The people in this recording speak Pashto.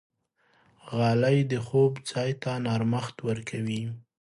غالۍ د خوب ځای ته نرمښت ورکوي.